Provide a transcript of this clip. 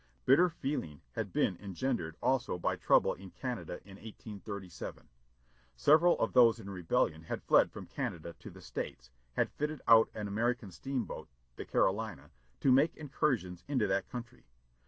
Bitter feeling had been engendered also by trouble in Canada in 1837. Several of those in rebellion had fled from Canada to the States, had fitted out an American steamboat, the Carolina, to make incursions into that country.